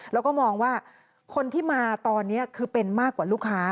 แล้วก็มองว่าคนที่มาตอนนี้คือเป็นมากกว่าลูกค้า